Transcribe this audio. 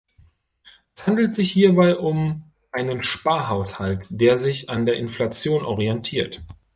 Es handelt sich hierbei um einen Sparhaushalt, der sich an der Inflation orientiert.